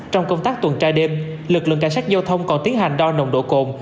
trong công tác tuần tra đêm lực lượng cảnh sát giao thông còn tiến hành đo nồng độ cồn